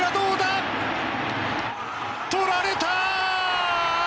とられた！